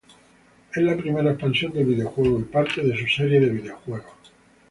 Es la primera expansión del videojuego y parte de su serie de videojuegos.